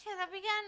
ya tapi kan